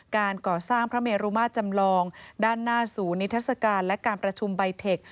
การก่อสร้างพระเมรุมาตรจำลองด้านหน้าศูนย์นิทัศกาลและการประชุมใบเทค